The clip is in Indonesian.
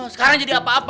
sekarang jadi apa apa